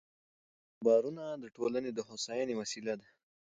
کوچني کاروبارونه د ټولنې د هوساینې وسیله ده.